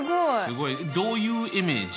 すごい。どういうイメージ？